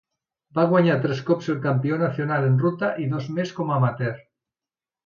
Va guanyar tres cops el Campió nacional en ruta i dos més com a amateur.